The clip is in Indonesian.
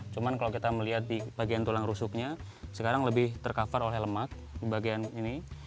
cuman kalau kita melihat di bagian tulang rusuknya sekarang lebih tercover oleh lemak di bagian ini